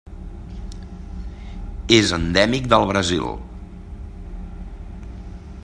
És endèmic del Brasil.